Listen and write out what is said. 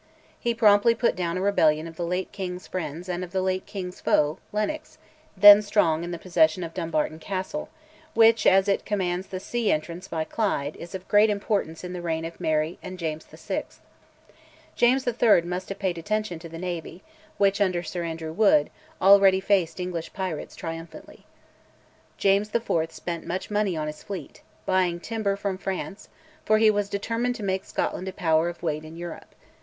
He promptly put down a rebellion of the late king's friends and of the late king's foe, Lennox, then strong in the possession of Dumbarton Castle, which, as it commands the sea entrance by Clyde, is of great importance in the reign of Mary and James VI. James III. must have paid attention to the navy, which, under Sir Andrew Wood, already faced English pirates triumphantly. James IV. spent much money on his fleet, buying timber from France, for he was determined to make Scotland a power of weight in Europe.